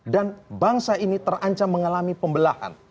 dan bangsa ini terancam mengalami pembelahan